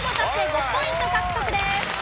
５ポイント獲得です。